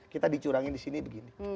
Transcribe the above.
kita dicurangin di sini begini